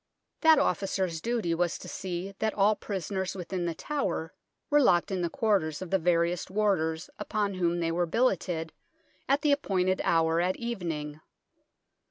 That officer's duty was to see that all prisoners within The Tower were locked in the quarters of the various warders upon whom they were billeted at the appointed hour at evening.